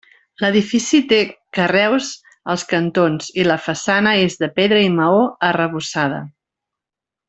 L'edifici té carreus als cantons i la façana és, de pedra i maó, arrebossada.